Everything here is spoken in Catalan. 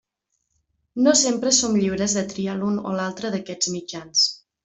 No sempre som lliures de triar l'un o l'altre d'aquests mitjans.